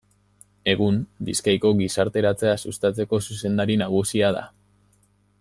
Egun Bizkaiko Gizarteratzea sustatzeko zuzendari nagusia da.